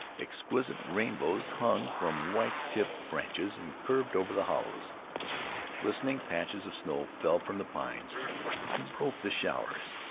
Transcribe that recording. Exquisite rainbows hung from white tipped branches and curved over the hollows. Glistening patches of snow fell from the pines, and broke the showers.